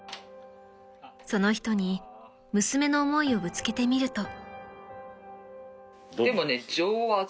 ［その人に娘の思いをぶつけてみると］